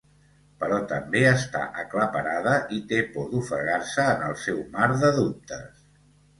Però també està aclaparada i té por d'ofegar-se en el seu mar de dubtes.